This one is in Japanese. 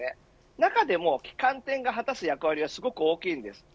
中でも旗艦店が果たす役割はすごく大きいです。